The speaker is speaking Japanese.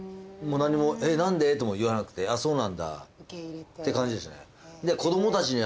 えっ何でとも言わなくてああそうなんだって感じでしたね。